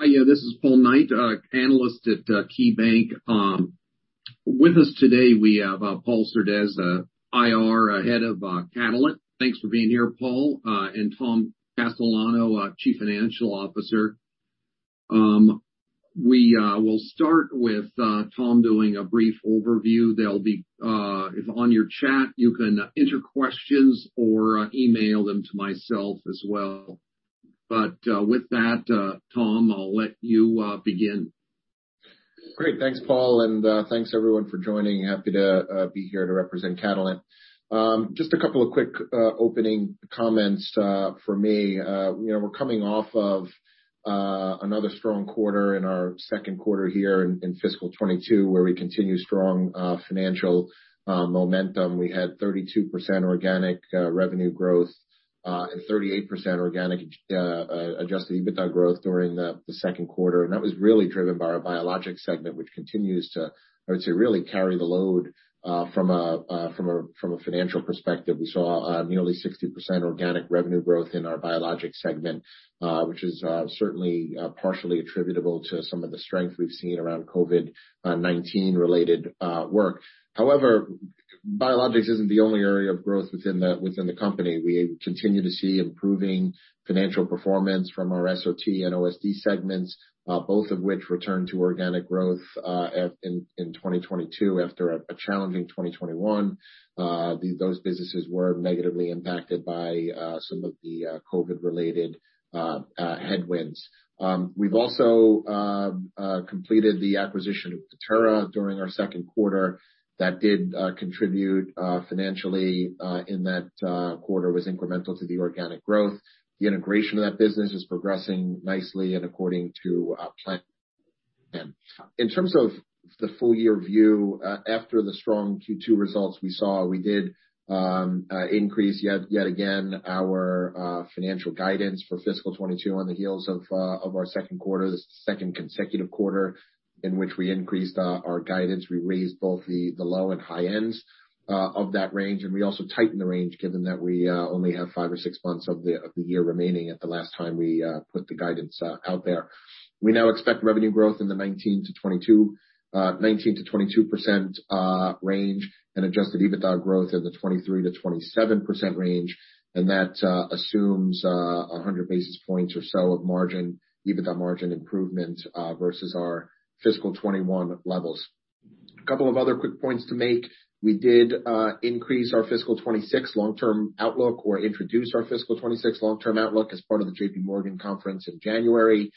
Hi, this is Paul Knight, Analyst at KeyBank. With us today, we have Paul Surdez, IR, Head of Catalent. Thanks for being here, Paul. And Tom Castellano, Chief Financial Officer. We will start with Tom doing a brief overview. If on your chat, you can enter questions or email them to myself as well. But with that, Tom, I'll let you begin. Great. Thanks, Paul. And thanks, everyone, for joining. Happy to be here to represent Catalent. Just a couple of quick opening comments for me. We're coming off of another strong quarter in our second quarter here in fiscal 2022, where we continue strong financial momentum. We had 32% organic revenue growth and 38% organic adjusted EBITDA growth during the second quarter. And that was really driven by our biologics segment, which continues to, I would say, really carry the load from a financial perspective. We saw nearly 60% organic revenue growth in our biologics segment, which is certainly partially attributable to some of the strength we've seen around COVID-19-related work. However, biologics isn't the only area of growth within the company. We continue to see improving financial performance from our SOT and OSD segments, both of which returned to organic growth in 2022 after a challenging 2021. Those businesses were negatively impacted by some of the COVID-related headwinds. We've also completed the acquisition of Bettera during our second quarter. That did contribute financially in that quarter was incremental to the organic growth. The integration of that business is progressing nicely and according to plan. In terms of the full-year view, after the strong Q2 results we saw, we did increase yet again our financial guidance for fiscal 2022 on the heels of our second quarter, the second consecutive quarter in which we increased our guidance. We raised both the low and high ends of that range. And we also tightened the range given that we only have five or six months of the year remaining at the last time we put the guidance out there. We now expect revenue growth in the 19%-22% range and adjusted EBITDA growth in the 23%-27% range. That assumes 100 basis points or so of margin, EBITDA margin improvement versus our fiscal 2021 levels. A couple of other quick points to make. We did increase our fiscal 2026 long-term outlook or introduce our fiscal 2026 long-term outlook as part of the JPMorgan conference in January.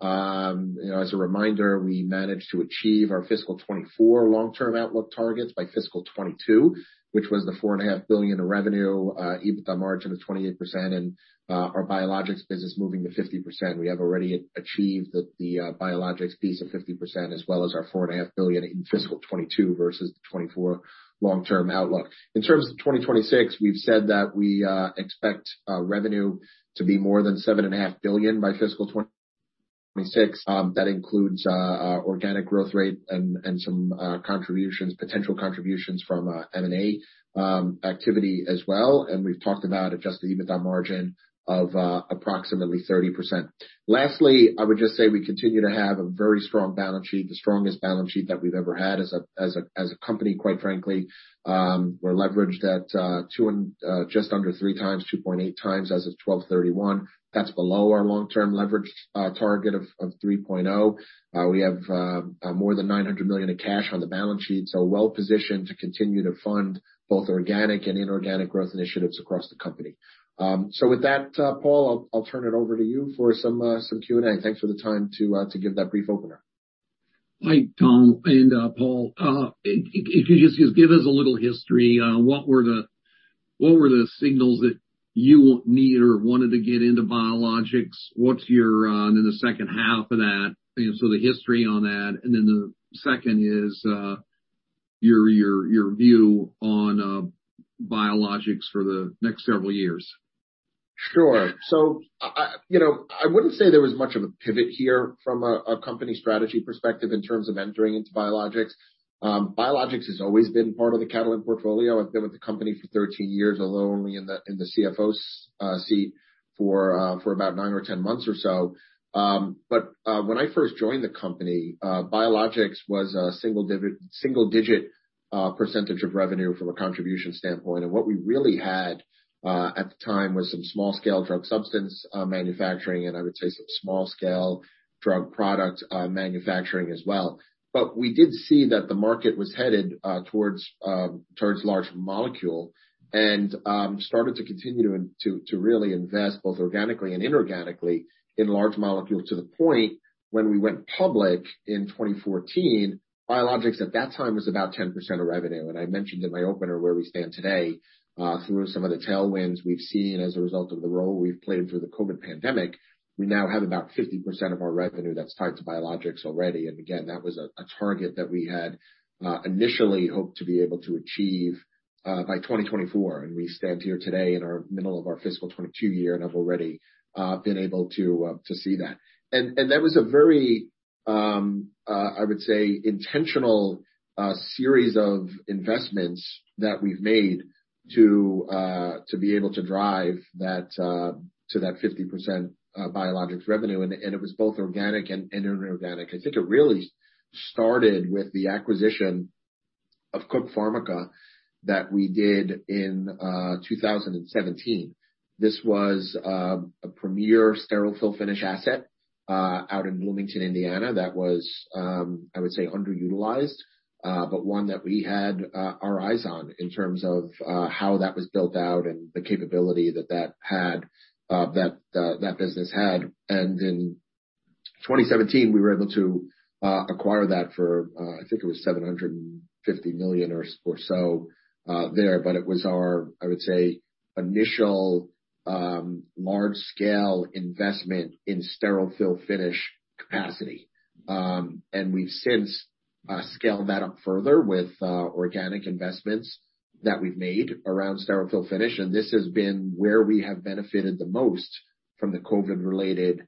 As a reminder, we managed to achieve our fiscal 2024 long-term outlook targets by fiscal 2022, which was the $4.5 billion in revenue, EBITDA margin of 28%, and our biologics business moving to 50%. We have already achieved the biologics piece of 50% as well as our $4.5 billion in fiscal 2022 versus the 2024 long-term outlook. In terms of 2026, we've said that we expect revenue to be more than $7.5 billion by fiscal 2026. That includes organic growth rate and some potential contributions from M&A activity as well. We have talked about adjusted EBITDA margin of approximately 30%. Lastly, I would just say we continue to have a very strong balance sheet, the strongest balance sheet that we've ever had as a company, quite frankly. We're leveraged at just under three times, 2.8 times as of 12/31. That's below our long-term leverage target of 3.0. We have more than $900 million in cash on the balance sheet, so well-positioned to continue to fund both organic and inorganic growth initiatives across the company, so with that, Paul, I'll turn it over to you for some Q&A. Thanks for the time to give that brief opener. Hi, Tom and Paul. If you just give us a little history, what were the signals that you need or wanted to get into biologics? What's your, in the second half of that, so the history on that? And then the second is your view on biologics for the next several years. Sure. So I wouldn't say there was much of a pivot here from a company strategy perspective in terms of entering into biologics. Biologics has always been part of the Catalent portfolio. I've been with the company for 13 years, although only in the CFO seat for about 9 or 10 months or so. But when I first joined the company, biologics was a single-digit percentage of revenue from a contribution standpoint. And what we really had at the time was some small-scale drug substance manufacturing and I would say some small-scale drug product manufacturing as well. But we did see that the market was headed towards large molecule and started to continue to really invest both organically and inorganically in large molecule to the point when we went public in 2014, biologics at that time was about 10% of revenue. I mentioned in my opener where we stand today through some of the tailwinds we've seen as a result of the role we've played through the COVID pandemic. We now have about 50% of our revenue that's tied to biologics already. Again, that was a target that we had initially hoped to be able to achieve by 2024. We stand here today in the middle of our fiscal 2022 year and have already been able to see that. That was a very, I would say, intentional series of investments that we've made to be able to drive to that 50% biologics revenue. It was both organic and inorganic. I think it really started with the acquisition of Cook Pharmica that we did in 2017. This was a premier sterile fill finish asset out in Bloomington, Indiana. That was, I would say, underutilized, but one that we had our eyes on in terms of how that was built out and the capability that that business had. And in 2017, we were able to acquire that for, I think it was $750 million or so there. But it was our, I would say, initial large-scale investment in sterile fill finish capacity. And we've since scaled that up further with organic investments that we've made around sterile fill finish. And this has been where we have benefited the most from the COVID-related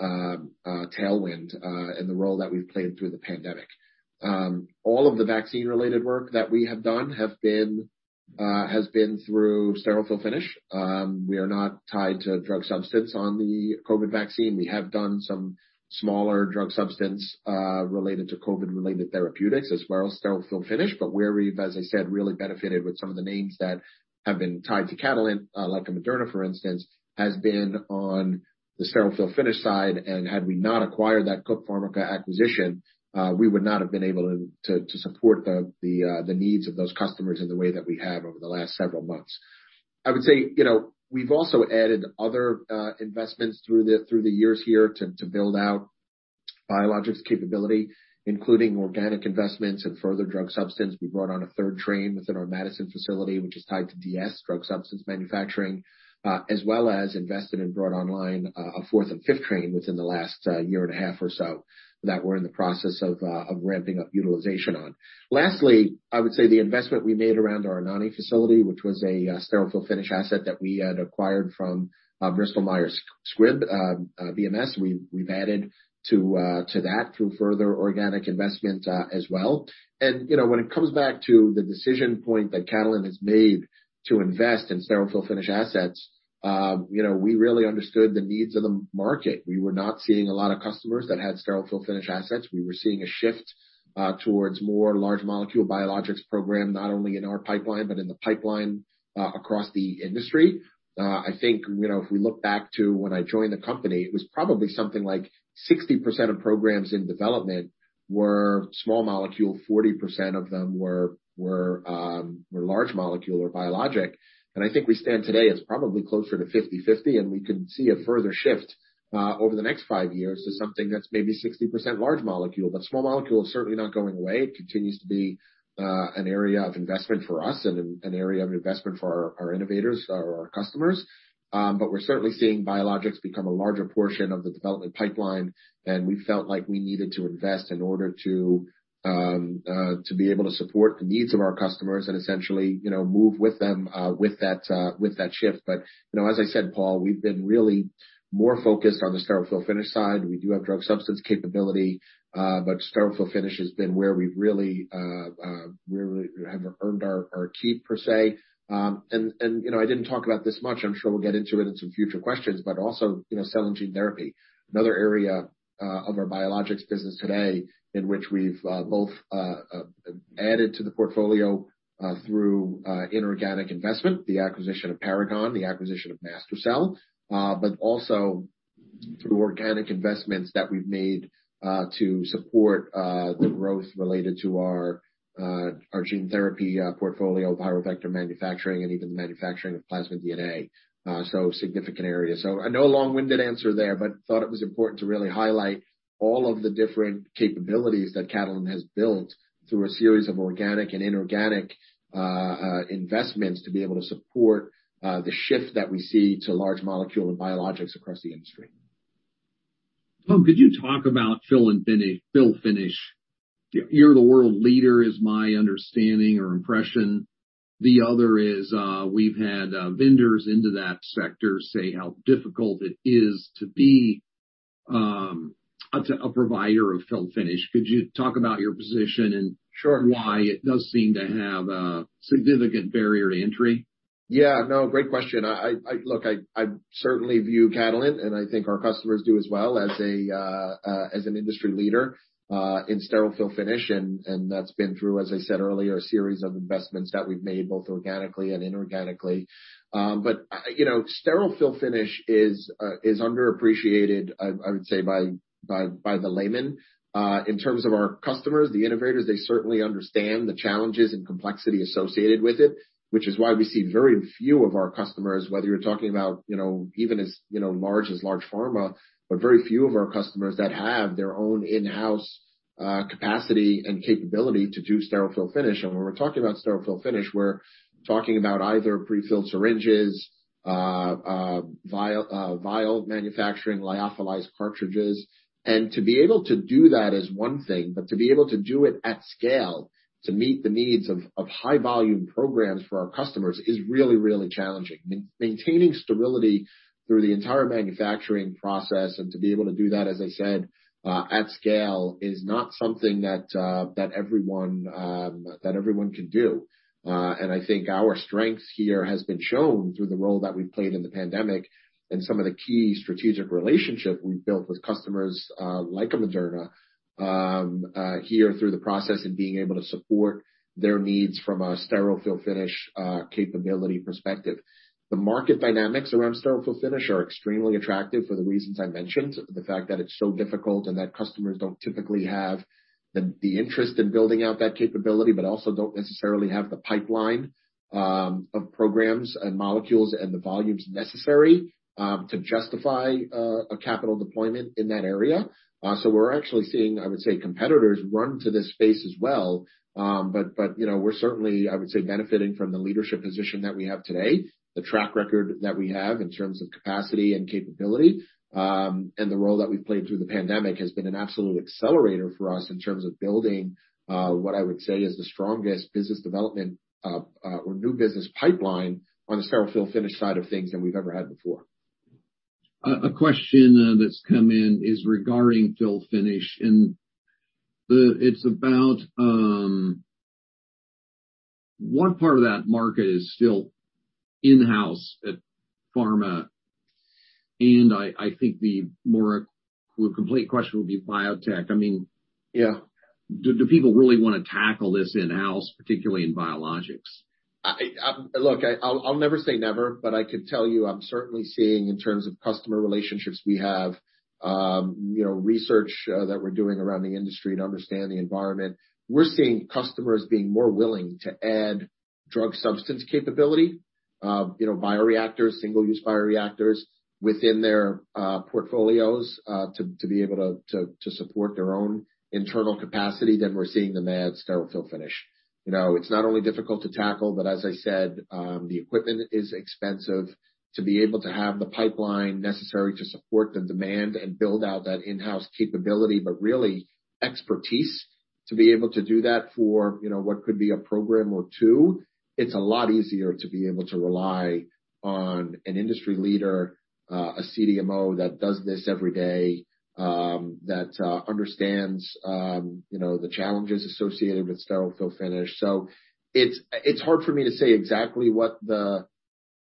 tailwind and the role that we've played through the pandemic. All of the vaccine-related work that we have done has been through sterile fill finish. We are not tied to drug substance on the COVID vaccine. We have done some smaller drug substance related to COVID-related therapeutics as well as sterile fill finish. But where we've, as I said, really benefited with some of the names that have been tied to Catalent, like a Moderna, for instance, has been on the sterile fill finish side, and had we not acquired that Cook Pharmica acquisition, we would not have been able to support the needs of those customers in the way that we have over the last several months. I would say we've also added other investments through the years here to build out biologics capability, including organic investments and further drug substance. We brought on a third train within our Madison facility, which is tied to DS, drug substance manufacturing, as well as invested and brought online a fourth and fifth train within the last year and a half or so that we're in the process of ramping up utilization on. Lastly, I would say the investment we made around our Anagni facility, which was a sterile fill finish asset that we had acquired from Bristol Myers Squibb, BMS. We've added to that through further organic investment as well. And when it comes back to the decision point that Catalent has made to invest in sterile fill finish assets, we really understood the needs of the market. We were not seeing a lot of customers that had sterile fill finish assets. We were seeing a shift towards more large molecule biologics program, not only in our pipeline, but in the pipeline across the industry. I think if we look back to when I joined the company, it was probably something like 60% of programs in development were small molecule, 40% of them were large molecule or biologic. And I think we stand today, it's probably closer to 50/50. And we can see a further shift over the next five years to something that's maybe 60% large molecule. But small molecule is certainly not going away. It continues to be an area of investment for us and an area of investment for our innovators or our customers. But we're certainly seeing biologics become a larger portion of the development pipeline. And we felt like we needed to invest in order to be able to support the needs of our customers and essentially move with them with that shift. But as I said, Paul, we've been really more focused on the sterile fill finish side. We do have drug substance capability. But sterile fill finish has been where we've really earned our keep, per se. And I didn't talk about this much. I'm sure we'll get into it in some future questions. But also cell and gene therapy, another area of our biologics business today in which we've both added to the portfolio through inorganic investment, the acquisition of Paragon, the acquisition of MaSTherCell, but also through organic investments that we've made to support the growth related to our gene therapy portfolio of viral vector manufacturing and even the manufacturing of plasmid DNA. So significant area. So I know a long-winded answer there, but thought it was important to really highlight all of the different capabilities that Catalent has built through a series of organic and inorganic investments to be able to support the shift that we see to large molecule and biologics across the industry. Tom, could you talk about fill finish? You're the world leader, is my understanding or impression. The other is we've had vendors into that sector say how difficult it is to be a provider of fill finish. Could you talk about your position and why it does seem to have a significant barrier to entry? Yeah. No, great question. Look, I certainly view Catalent, and I think our customers do as well as an industry leader in sterile fill finish. And that's been through, as I said earlier, a series of investments that we've made both organically and inorganically. But sterile fill finish is underappreciated, I would say, by the layman. In terms of our customers, the innovators, they certainly understand the challenges and complexity associated with it, which is why we see very few of our customers, whether you're talking about even as large as large pharma, but very few of our customers that have their own in-house capacity and capability to do sterile fill finish. And when we're talking about sterile fill finish, we're talking about either prefilled syringes, vial manufacturing, lyophilized cartridges. To be able to do that is one thing, but to be able to do it at scale to meet the needs of high-volume programs for our customers is really, really challenging. Maintaining sterility through the entire manufacturing process and to be able to do that, as I said, at scale is not something that everyone can do. I think our strength here has been shown through the role that we've played in the pandemic and some of the key strategic relationship we've built with customers like a Moderna here through the process and being able to support their needs from a sterile fill finish capability perspective. The market dynamics around sterile fill finish are extremely attractive for the reasons I mentioned, the fact that it's so difficult and that customers don't typically have the interest in building out that capability, but also don't necessarily have the pipeline of programs and molecules and the volumes necessary to justify a capital deployment in that area, so we're actually seeing, I would say, competitors run to this space as well, but we're certainly, I would say, benefiting from the leadership position that we have today, the track record that we have in terms of capacity and capability, and the role that we've played through the pandemic has been an absolute accelerator for us in terms of building what I would say is the strongest business development or new business pipeline on the sterile fill finish side of things that we've ever had before. A question that's come in is regarding fill finish. And it's about one part of that market is still in-house at pharma. And I think the more complete question would be biotech. I mean, do people really want to tackle this in-house, particularly in biologics? Look, I'll never say never, but I could tell you I'm certainly seeing in terms of customer relationships we have, research that we're doing around the industry to understand the environment. We're seeing customers being more willing to add drug substance capability, bioreactors, single-use bioreactors within their portfolios to be able to support their own internal capacity than we're seeing them add sterile fill finish. It's not only difficult to tackle, but as I said, the equipment is expensive to be able to have the pipeline necessary to support the demand and build out that in-house capability. But really, expertise to be able to do that for what could be a program or two, it's a lot easier to be able to rely on an industry leader, a CDMO that does this every day, that understands the challenges associated with sterile fill finish. So it's hard for me to say exactly what the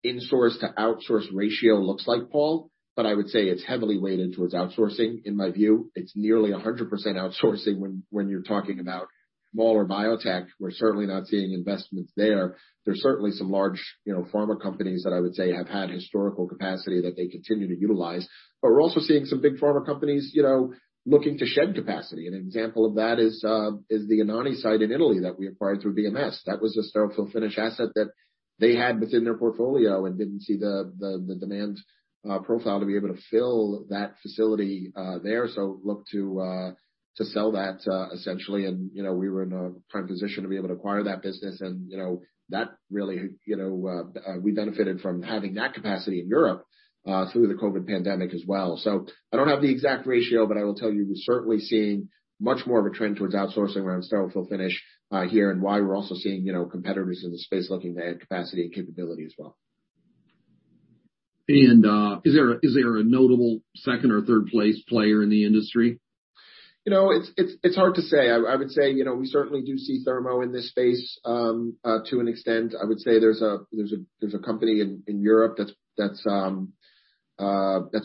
insource to outsource ratio looks like, Paul, but I would say it's heavily weighted towards outsourcing in my view. It's nearly 100% outsourcing when you're talking about smaller biotech. We're certainly not seeing investments there. There's certainly some large pharma companies that I would say have had historical capacity that they continue to utilize. But we're also seeing some big pharma companies looking to shed capacity. An example of that is the Anagni site in Italy that we acquired through BMS. That was a sterile fill finish asset that they had within their portfolio and didn't see the demand profile to be able to fill that facility there. So looked to sell that essentially. And we were in a prime position to be able to acquire that business. And that really we benefited from having that capacity in Europe through the COVID pandemic as well. So I don't have the exact ratio, but I will tell you we're certainly seeing much more of a trend towards outsourcing around sterile fill finish here and why we're also seeing competitors in the space looking to add capacity and capability as well. Is there a notable second or third place player in the industry? It's hard to say. I would say we certainly do see Thermo in this space to an extent. I would say there's a company in Europe that's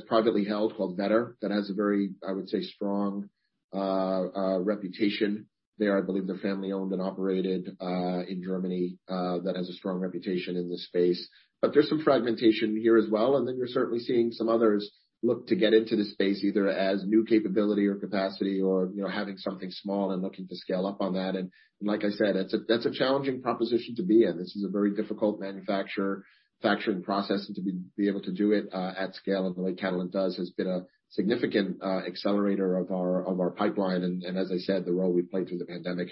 privately held called Vetter that has a very, I would say, strong reputation there. I believe they're family-owned and operated in Germany that has a strong reputation in this space. But there's some fragmentation here as well. And then you're certainly seeing some others look to get into this space either as new capability or capacity or having something small and looking to scale up on that. And like I said, that's a challenging proposition to be in. This is a very difficult manufacturing process. And to be able to do it at scale in the way Catalent does has been a significant accelerator of our pipeline. As I said, the role we've played through the pandemic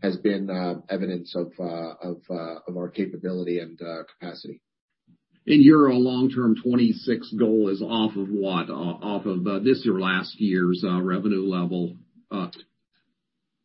has been evidence of our capability and capacity. Your long-term 26 goal is off of what? Off of this or last year's revenue level?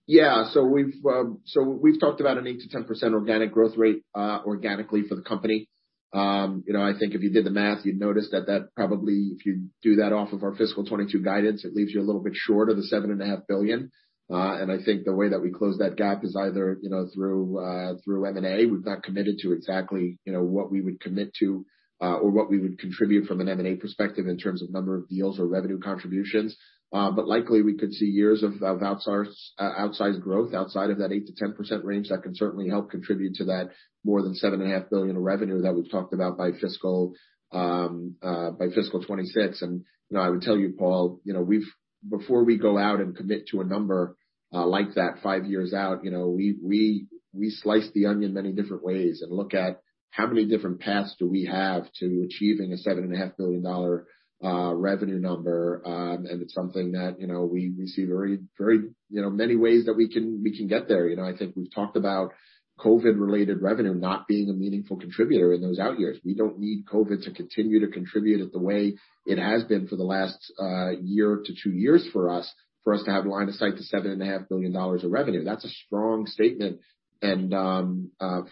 Yeah. So we've talked about an 8%-10% organic growth rate organically for the company. I think if you did the math, you'd notice that that probably, if you do that off of our fiscal 2022 guidance, it leaves you a little bit short of the $7.5 billion. And I think the way that we close that gap is either through M&A. We've not committed to exactly what we would commit to or what we would contribute from an M&A perspective in terms of number of deals or revenue contributions. But likely, we could see years of outsized growth outside of that 8%-10% range that can certainly help contribute to that more than $7.5 billion of revenue that we've talked about by fiscal 2026. I would tell you, Paul, before we go out and commit to a number like that five years out, we slice the onion many different ways and look at how many different paths do we have to achieving a $7.5 billion revenue number. It's something that we see very many ways that we can get there. I think we've talked about COVID-related revenue not being a meaningful contributor in those out years. We don't need COVID to continue to contribute at the way it has been for the last year to two years for us to have line of sight to $7.5 billion of revenue. That's a strong statement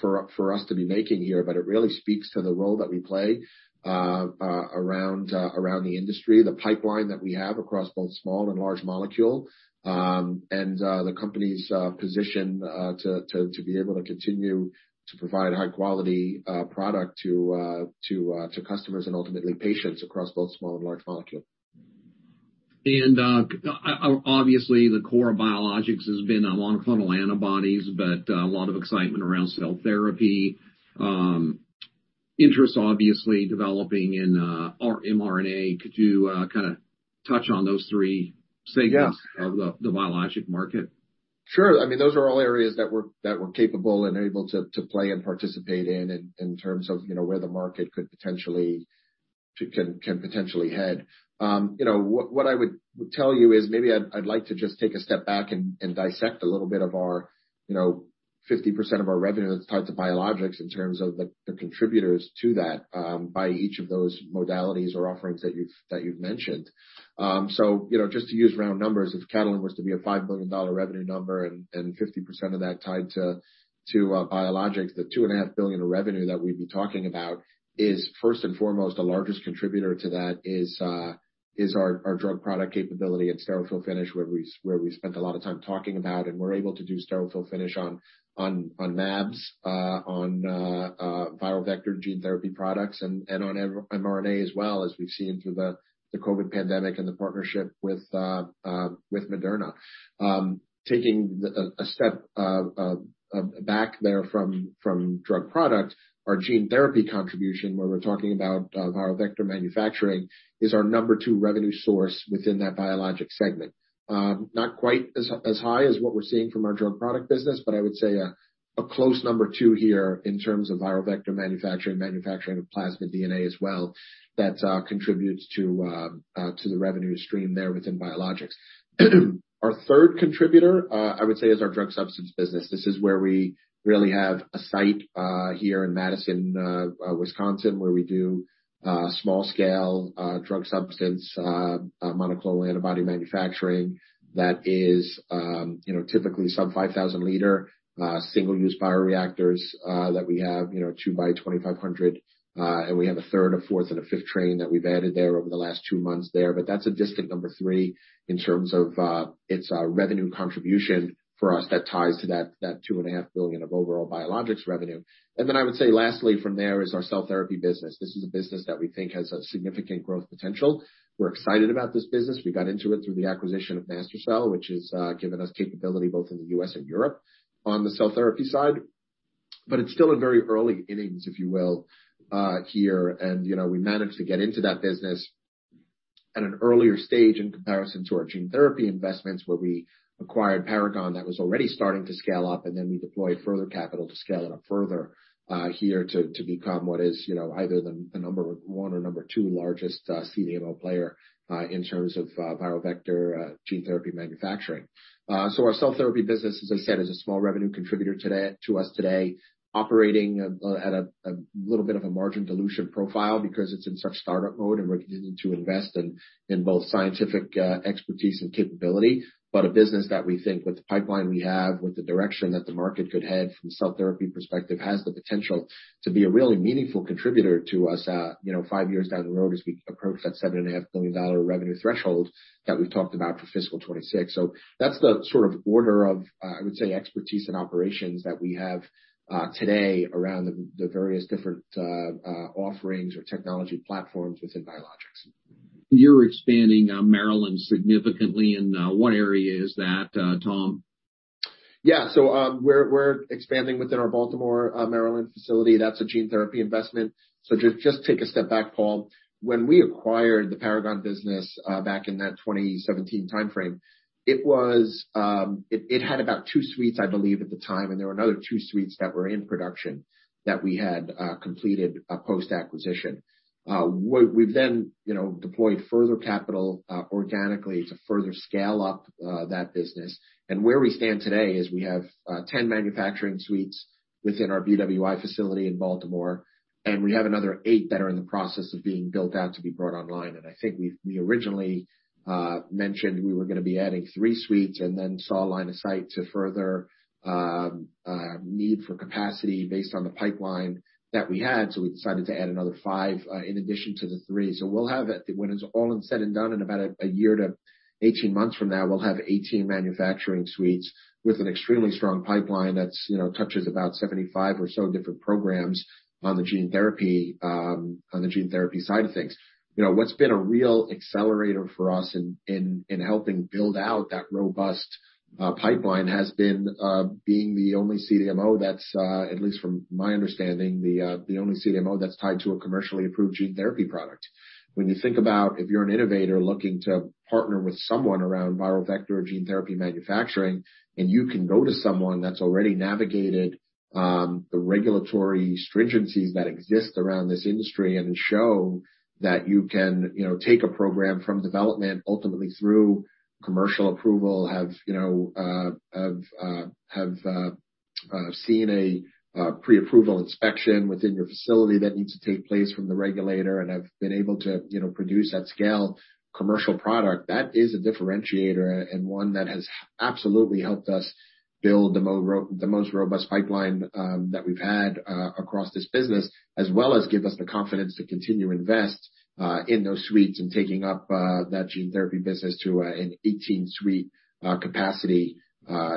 for us to be making here. It really speaks to the role that we play around the industry, the pipeline that we have across both small and large molecule, and the company's position to be able to continue to provide high-quality product to customers and ultimately patients across both small and large molecule. Obviously, the core of biologics has been monoclonal antibodies, but a lot of excitement around cell therapy, interest obviously developing in mRNA to kind of touch on those three segments of the biologics market. Sure. I mean, those are all areas that we're capable and able to play and participate in in terms of where the market can potentially head. What I would tell you is maybe I'd like to just take a step back and dissect a little bit of our 50% of our revenue that's tied to biologics in terms of the contributors to that by each of those modalities or offerings that you've mentioned, so just to use round numbers, if Catalent was to be a $5 billion revenue number and 50% of that tied to biologics, the $2.5 billion of revenue that we'd be talking about is first and foremost, the largest contributor to that is our drug product capability and sterile fill finish, where we spent a lot of time talking about. And we're able to do sterile fill finish on MABs, on viral vector gene therapy products, and on mRNA as well, as we've seen through the COVID pandemic and the partnership with Moderna. Taking a step back there from drug product, our gene therapy contribution, where we're talking about viral vector manufacturing, is our number two revenue source within that biologics segment. Not quite as high as what we're seeing from our drug product business, but I would say a close number two here in terms of viral vector manufacturing, manufacturing of plasmid DNA as well that contributes to the revenue stream there within biologics. Our third contributor, I would say, is our drug substance business. This is where we really have a site here in Madison, Wisconsin, where we do small-scale drug substance monoclonal antibody manufacturing that is typically some 5,000-liter single-use bioreactors that we have 2x2500. We have a third, a fourth, and a fifth train that we've added there over the last two months there. That's a distant number three in terms of its revenue contribution for us that ties to that $2.5 billion of overall biologics revenue. I would say lastly from there is our cell therapy business. This is a business that we think has a significant growth potential. We're excited about this business. We got into it through the acquisition of MaSThercell, which has given us capability both in the U.S. and Europe on the cell therapy side. It's still in very early innings, if you will, here. We managed to get into that business at an earlier stage in comparison to our gene therapy investments, where we acquired Paragon that was already starting to scale up. And then we deployed further capital to scale it up further here to become what is either the number one or number two largest CDMO player in terms of viral vector gene therapy manufacturing. So our cell therapy business, as I said, is a small revenue contributor to us today, operating at a little bit of a margin dilution profile because it is in such startup mode and we are continuing to invest in both scientific expertise and capability. But a business that we think with the pipeline we have, with the direction that the market could head from a cell therapy perspective, has the potential to be a really meaningful contributor to us five years down the road as we approach that $7.5 billion revenue threshold that we have talked about for fiscal 2026. So that's the sort of order of, I would say, expertise and operations that we have today around the various different offerings or technology platforms within biologics. You're expanding Maryland significantly, and what area is that, Tom? Yeah. So we're expanding within our Baltimore, Maryland facility. That's a gene therapy investment. So just take a step back, Paul. When we acquired the Paragon business back in that 2017 timeframe, it had about two suites, I believe, at the time. And there were another two suites that were in production that we had completed post-acquisition. We've then deployed further capital organically to further scale up that business. And where we stand today is we have 10 manufacturing suites within our BWI facility in Baltimore. And we have another eight that are in the process of being built out to be brought online. And I think we originally mentioned we were going to be adding three suites and then saw line of sight to further need for capacity based on the pipeline that we had. So we decided to add another five in addition to the three. So we'll have it when it's all said and done in about a year to 18 months from now, we'll have 18 manufacturing suites with an extremely strong pipeline that touches about 75 or so different programs on the gene therapy side of things. What's been a real accelerator for us in helping build out that robust pipeline has been being the only CDMO that's, at least from my understanding, the only CDMO that's tied to a commercially approved gene therapy product. When you think about if you're an innovator looking to partner with someone around viral vector gene therapy manufacturing, and you can go to someone that's already navigated the regulatory stringencies that exist around this industry and show that you can take a program from development, ultimately through commercial approval, have seen a pre-approval inspection within your facility that needs to take place from the regulator, and have been able to produce at scale commercial product, that is a differentiator and one that has absolutely helped us build the most robust pipeline that we've had across this business, as well as give us the confidence to continue to invest in those suites and taking up that gene therapy business to an 18-suite capacity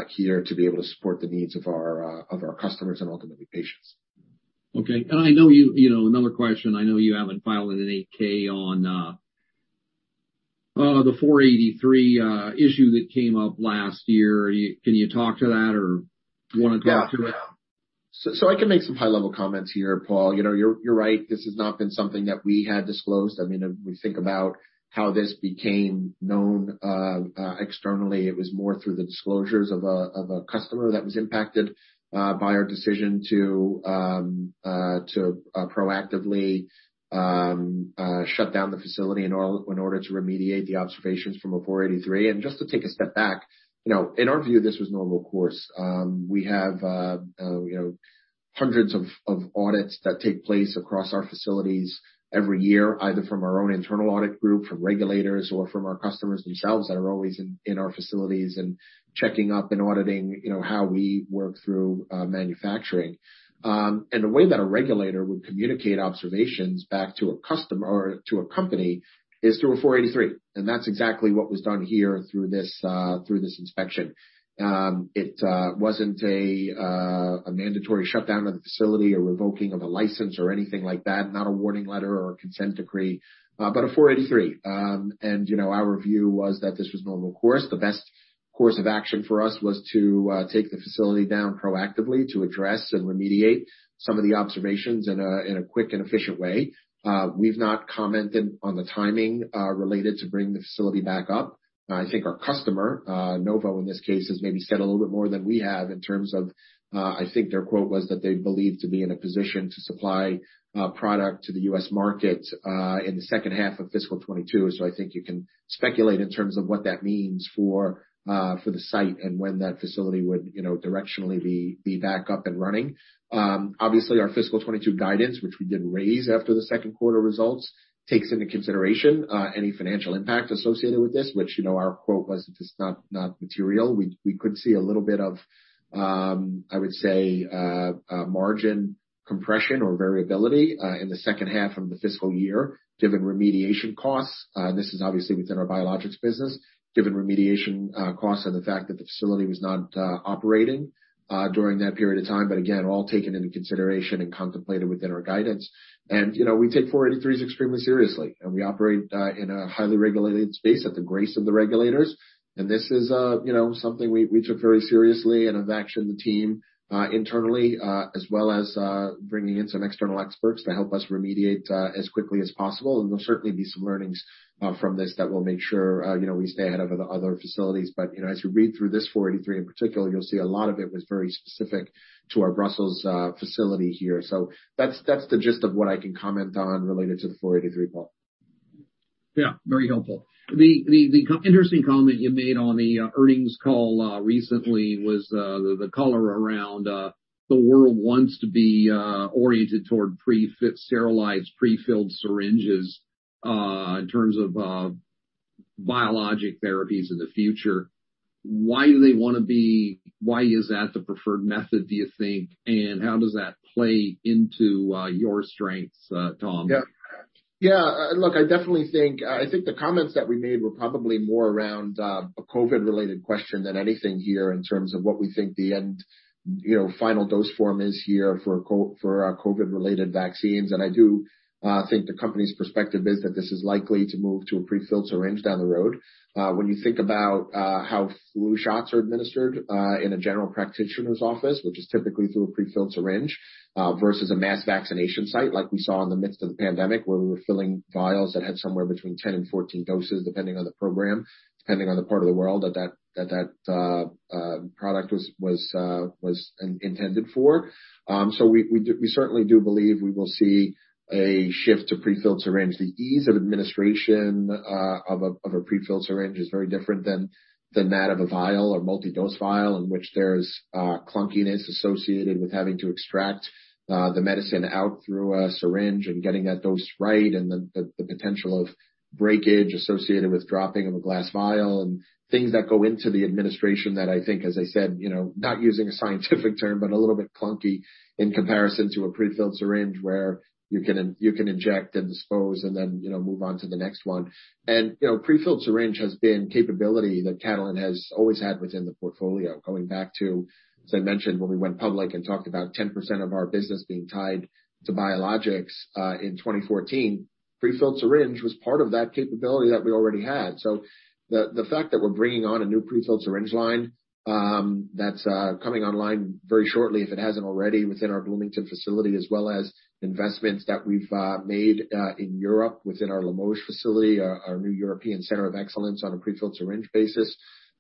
here to be able to support the needs of our customers and ultimately patients. Okay. And I know another question. I know you haven't filed an 8-K on the Form 483 issue that came up last year. Can you talk to that or want to talk to it? Yeah. So I can make some high-level comments here, Paul. You're right. This has not been something that we had disclosed. I mean, we think about how this became known externally. It was more through the disclosures of a customer that was impacted by our decision to proactively shut down the facility in order to remediate the observations from a 483. And just to take a step back, in our view, this was normal course. We have hundreds of audits that take place across our facilities every year, either from our own internal audit group, from regulators, or from our customers themselves that are always in our facilities and checking up and auditing how we work through manufacturing. And the way that a regulator would communicate observations back to a customer or to a company is through a 483. And that's exactly what was done here through this inspection. It wasn't a mandatory shutdown of the facility or revoking of a license or anything like that, not a warning letter or a consent decree, but a 483. And our view was that this was normal course. The best course of action for us was to take the facility down proactively to address and remediate some of the observations in a quick and efficient way. We've not commented on the timing related to bringing the facility back up. I think our customer, Novo in this case, has maybe said a little bit more than we have in terms of I think their quote was that they believed to be in a position to supply product to the U.S. market in the second half of fiscal 2022. So I think you can speculate in terms of what that means for the site and when that facility would directionally be back up and running. Obviously, our fiscal 2022 guidance, which we did raise after the second quarter results, takes into consideration any financial impact associated with this, which our quote was, "It's not material." We could see a little bit of, I would say, margin compression or variability in the second half of the fiscal year given remediation costs. This is obviously within our biologics business, given remediation costs and the fact that the facility was not operating during that period of time. But again, all taken into consideration and contemplated within our guidance. And we take 483s extremely seriously. And we operate in a highly regulated space at the grace of the regulators. This is something we took very seriously and have actioned the team internally, as well as bringing in some external experts to help us remediate as quickly as possible. There'll certainly be some learnings from this that will make sure we stay ahead of other facilities. As you read through this 483 in particular, you'll see a lot of it was very specific to our Brussels facility here. That's the gist of what I can comment on related to the 483, Paul. Yeah. Very helpful. The interesting comment you made on the earnings call recently was the color around the world wants to be oriented toward sterile prefilled syringes in terms of biologic therapies in the future. Why do they want to be? Why is that the preferred method, do you think? And how does that play into your strengths, Tom? Yeah. Yeah. Look, I definitely think the comments that we made were probably more around a COVID-related question than anything here in terms of what we think the final dose form is here for COVID-related vaccines, and I do think the company's perspective is that this is likely to move to a prefilled syringe down the road. When you think about how flu shots are administered in a general practitioner's office, which is typically through a prefilled syringe versus a mass vaccination site like we saw in the midst of the pandemic where we were filling vials that had somewhere between 10 and 14 doses, depending on the program, depending on the part of the world that that product was intended for, so we certainly do believe we will see a shift to prefilled syringe. The ease of administration of a prefilled syringe is very different than that of a vial or multi-dose vial in which there's clunkiness associated with having to extract the medicine out through a syringe and getting that dose right and the potential of breakage associated with dropping of a glass vial and things that go into the administration that I think, as I said, not using a scientific term, but a little bit clunky in comparison to a prefilled syringe where you can inject and dispose and then move on to the next one. And prefilled syringe has been capability that Catalent has always had within the portfolio. Going back to, as I mentioned, when we went public and talked about 10% of our business being tied to biologics in 2014, prefilled syringe was part of that capability that we already had. The fact that we're bringing on a new prefilled syringe line that's coming online very shortly, if it hasn't already, within our Bloomington facility, as well as investments that we've made in Europe within our Limoges facility, our new European Center of Excellence on a prefilled syringe basis,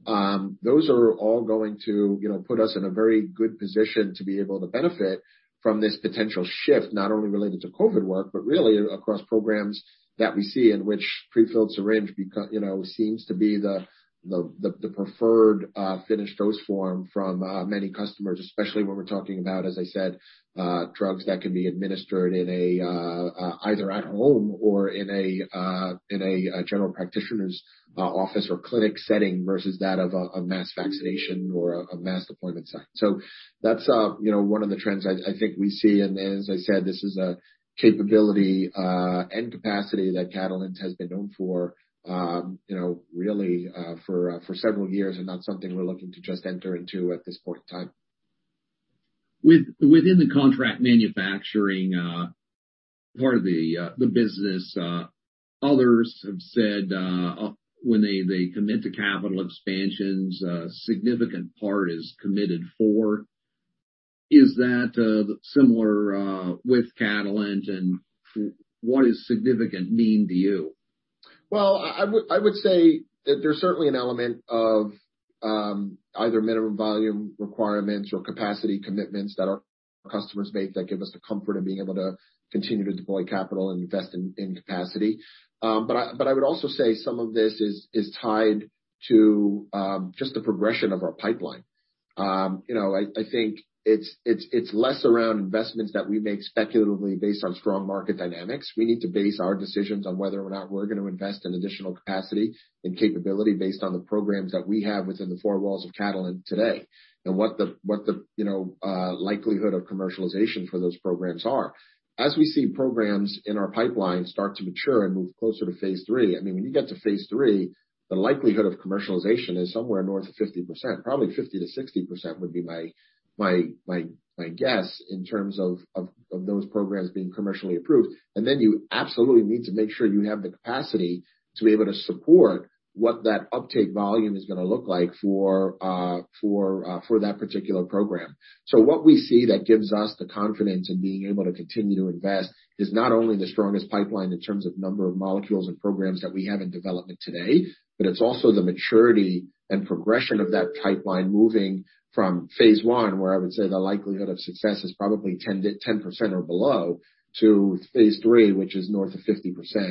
those are all going to put us in a very good position to be able to benefit from this potential shift, not only related to COVID work, but really across programs that we see in which prefilled syringe seems to be the preferred finished dose form from many customers, especially when we're talking about, as I said, drugs that can be administered either at home or in a general practitioner's office or clinic setting versus that of a mass vaccination or a mass deployment site. That's one of the trends I think we see. As I said, this is a capability and capacity that Catalent has been known for really for several years and not something we're looking to just enter into at this point in time. Within the contract manufacturing part of the business, others have said when they commit to capital expansions, a significant part is committed for. Is that similar with Catalent, and what does significant mean to you? I would say that there's certainly an element of either minimum volume requirements or capacity commitments that are customers-based that give us the comfort of being able to continue to deploy capital and invest in capacity. But I would also say some of this is tied to just the progression of our pipeline. I think it's less around investments that we make speculatively based on strong market dynamics. We need to base our decisions on whether or not we're going to invest in additional capacity and capability based on the programs that we have within the four walls of Catalent today and what the likelihood of commercialization for those programs are. As we see programs in our pipeline start to mature and move closer to III, I mean, when you get to phase III, the likelihood of commercialization is somewhere north of 50%. Probably 50%-60% would be my guess in terms of those programs being commercially approved. And then you absolutely need to make sure you have the capacity to be able to support what that uptake volume is going to look like for that particular program. So what we see that gives us the confidence in being able to continue to invest is not only the strongest pipeline in terms of number of molecules and programs that we have in development today, but it's also the maturity and progression of that pipeline moving from phase one, where I would say the likelihood of success is probably 10% or below, to phase three, which is north of 50%.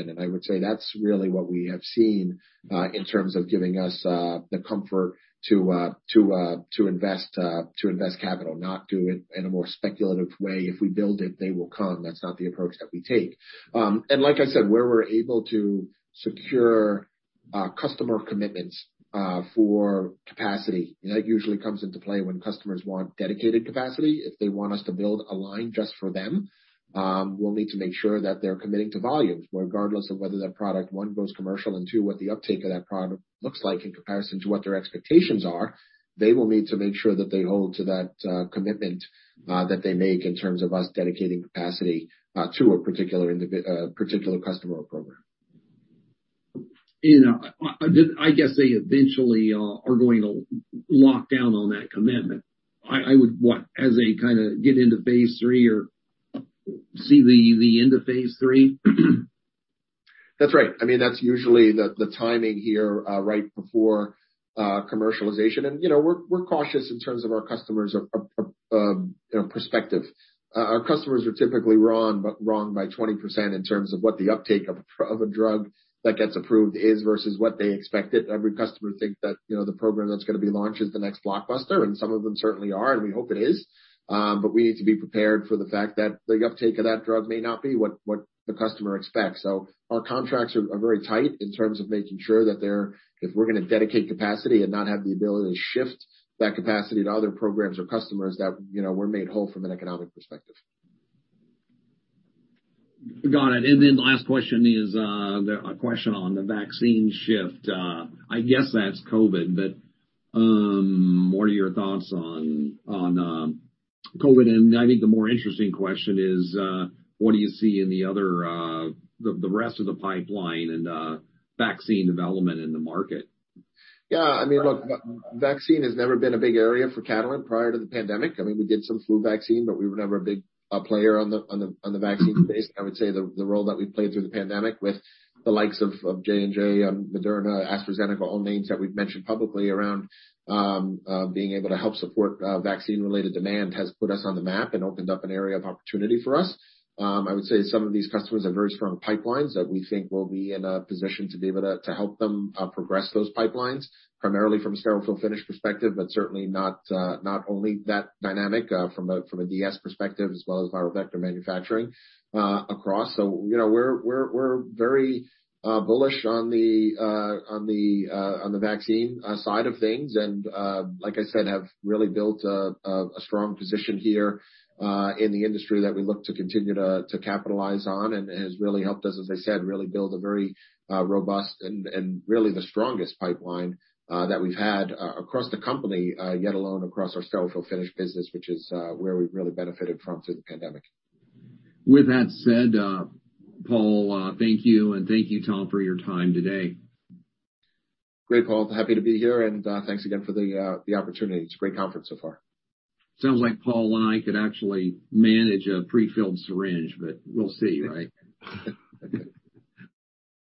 And I would say that's really what we have seen in terms of giving us the comfort to invest capital, not do it in a more speculative way. If we build it, they will come. That's not the approach that we take, and like I said, where we're able to secure customer commitments for capacity, that usually comes into play when customers want dedicated capacity. If they want us to build a line just for them, we'll need to make sure that they're committing to volumes, regardless of whether that product, one, goes commercial and, two, what the uptake of that product looks like in comparison to what their expectations are. They will need to make sure that they hold to that commitment that they make in terms of us dedicating capacity to a particular customer or program. I guess they eventually are going to lock down on that commitment. What, as they kind of get into phase III or see the end of phase III? That's right. I mean, that's usually the timing here right before commercialization, and we're cautious in terms of our customers' perspective. Our customers are typically wrong by 20% in terms of what the uptake of a drug that gets approved is versus what they expect it. Every customer thinks that the program that's going to be launched is the next blockbuster, and some of them certainly are, and we hope it is. But we need to be prepared for the fact that the uptake of that drug may not be what the customer expects, so our contracts are very tight in terms of making sure that if we're going to dedicate capacity and not have the ability to shift that capacity to other programs or customers, that we're made whole from an economic perspective. Got it. And then the last question is a question on the vaccine shift. I guess that's COVID, but what are your thoughts on COVID? And I think the more interesting question is, what do you see in the rest of the pipeline and vaccine development in the market? Yeah. I mean, look, vaccine has never been a big area for Catalent prior to the pandemic. I mean, we did some flu vaccine, but we were never a big player on the vaccine space. I would say the role that we played through the pandemic with the likes of J&J, Moderna, AstraZeneca, all names that we've mentioned publicly around being able to help support vaccine-related demand has put us on the map and opened up an area of opportunity for us. I would say some of these customers have very strong pipelines that we think we'll be in a position to be able to help them progress those pipelines, primarily from a sterile fill finish perspective, but certainly not only that dynamic from a DS perspective, as well as viral vector manufacturing across. So we're very bullish on the vaccine side of things. And, like I said, have really built a strong position here in the industry that we look to continue to capitalize on. And it has really helped us, as I said, really build a very robust and really the strongest pipeline that we've had across the company, let alone across our sterile fill finish business, which is where we've really benefited from through the pandemic. With that said, Paul, thank you. And thank you, Tom, for your time today. Great, Paul. Happy to be here, and thanks again for the opportunity. It's a great conference so far. Sounds like Paul and I could actually manage a prefilled syringe, but we'll see, right?